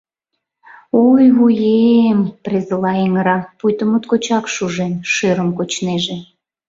— Ой, вуе-эм... — презыла эҥыра, пуйто моткочак шужен, шӧрым кочнеже.